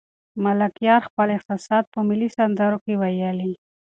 ملکیار خپل احساسات په ملي سندرو کې ویلي.